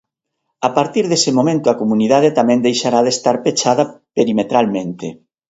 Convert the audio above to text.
A partir dese momento a comunidade tamén deixará de estar pechada perimetralmente.